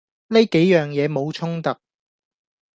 呢幾樣嘢冇衝突